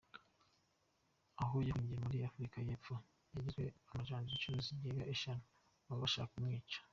Aho yahungiye muri Afurika y’Epfo, yagezwe amajanja inshuro zisaga eshatu, bashaka kumwica.